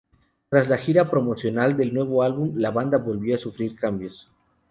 Tras la gira promocional del nuevo álbum, la banda volvió a sufrir cambios.